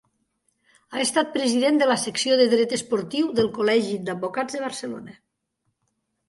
Ha estat president de la secció de Dret esportiu del Col·legi d'Advocats de Barcelona.